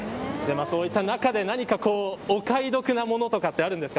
そういった中で何かお買い得なものとかあるんですか。